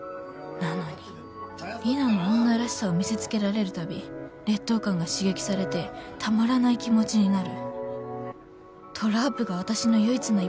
なのにリナの女らしさを見せつけられる度劣等感が刺激されてたまらない気持ちになる。